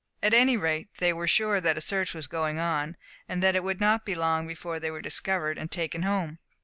At any rate they were sure that a search was going on, and that it would not be long before they were discovered, and taken home.